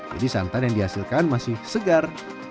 jadi santan yang dihasilkan masih segar